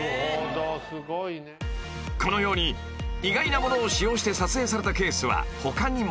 ［このように意外なものを使用して撮影されたケースは他にも］